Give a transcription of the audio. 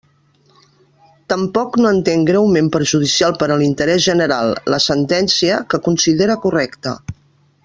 Tampoc no entén greument perjudicial per a l'interès general la Sentència, que considera correcta.